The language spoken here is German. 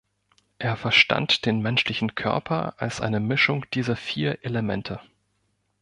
Er verstand den menschlichen Körper als eine Mischung dieser vier Elemente.